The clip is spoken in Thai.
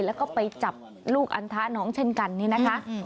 แล้วก็ไปจับลูกอันทะน้องเช่นกันนี่นะคะ